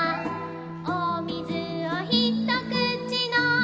「おみずをひとくちのみました」